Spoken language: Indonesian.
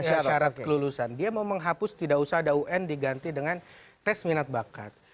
ada syarat kelulusan dia mau menghapus tidak usah ada un diganti dengan tes minat bakat